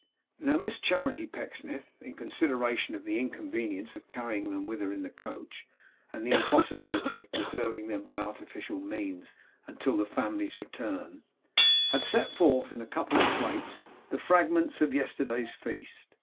Now, Miss Charity Pecksniff, in consideration of the inconvenience of carrying them with her in the coach, and the impossibility of preserving them by artificial means until the family's return, had set forth, in a couple of plates, the fragments of yesterday's feast.